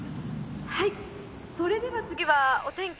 はいそれでは次はお天気